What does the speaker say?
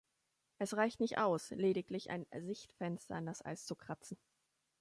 Es reicht nicht aus, lediglich ein „Sichtfenster“ in das Eis zu kratzen.